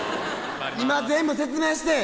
今全部説明して。